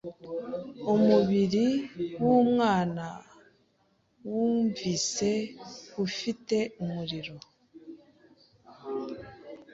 Umubiri wumwana wumvise ufite umuriro.